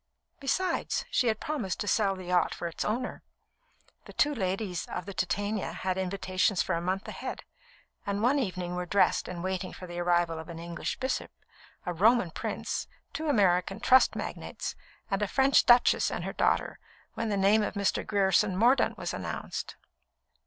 Besides, she had promised to sell the yacht for its owner. The two ladies of the Titania had invitations for a month ahead, and one evening were dressed and waiting for the arrival of an English bishop, a Roman prince, two American trust magnates, and a French duchess and her daughter, when the name of Mr. Grierson Mordaunt was announced.